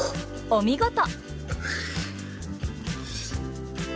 お見事！